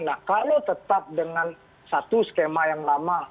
nah kalau tetap dengan satu skema yang lama